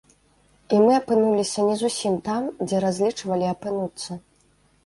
І мы апынуліся не зусім там, дзе разлічвалі апынуцца.